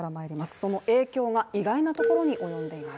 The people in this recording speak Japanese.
その影響は意外なところに及んでいます